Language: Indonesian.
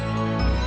sinyalnya jelek lagi